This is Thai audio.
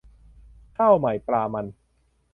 ข้าวใหม่ปลามัน